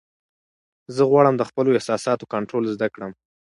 زه غواړم د خپلو احساساتو کنټرول زده کړم.